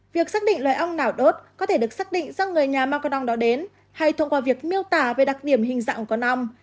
việc xác định loại ong nào đốt có thể được xác định do người nhà mang con ong đó đến hay thông qua việc miêu tả về đặc điểm hình dạng của con ong